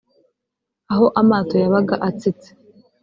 aho amato yabaga atsitse